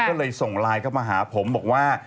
ก็เลยส่งไลน์เข้ามาหาผมบอกว่า